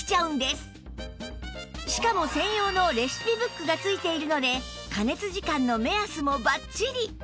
しかも専用のレシピブックが付いているので加熱時間の目安もバッチリ